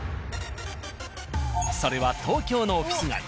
それは東京のオフィス街。